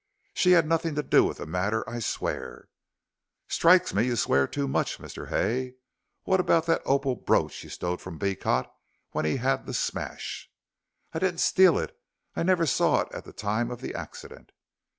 "She had nothing to do with the matter. I swear " "Strikes me you swear too much, Mr. Hay. What about that opal brooch you stole from Beecot when he had the smash?" "I didn't steal it. I never saw it at the time of the accident."